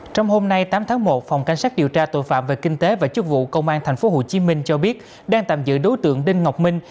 trong hôm nay tám tháng một phòng cảnh sát điều tra tội phạm về kinh tế và chức vụ công an tp hcm cho biết đang tạm giữ đối tượng đinh ngọc minh